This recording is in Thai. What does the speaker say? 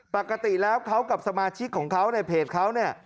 ปกติแล้วเขากับสมาชิกของเขาในเพจเขาเนี่ย